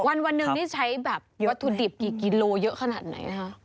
วันหนึ่งนี่ใช้แบบวัตถุดิบกี่กิโลเยอะขนาดไหนนะคะ